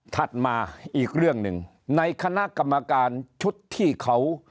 มาอีกเรื่องหนึ่งในคณะกรรมการชุดที่เขา